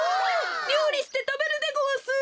りょうりしてたべるでごわす！